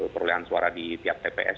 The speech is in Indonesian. perolehan suara di tiap tps